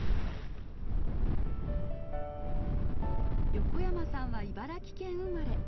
横山さんは茨城県生まれ。